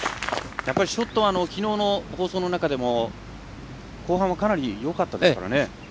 ショットはきのうの放送の中でも後半は、かなりよかったですね。